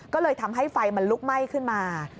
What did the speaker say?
ก็เลยทำให้ไฟมันลุกไหม้ขึ้นมา